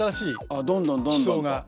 ああどんどんどんどん。